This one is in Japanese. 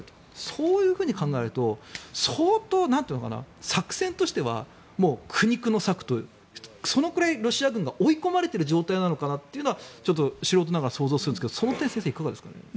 そういうふうに考えると相当作戦としてはもう苦肉の策というかそれぐらいロシア軍が追い込まれている状態なのかなとちょっと素人ながら想像するんですがその点は先生どうですかね？